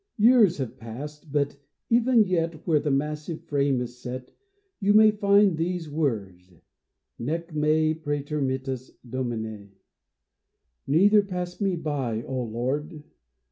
Years have passed— but, even yet, Where the massive frame is set You may find these words :" Nee me PrcEtermittas, Doinine /"*' Neither pass me by, O Lord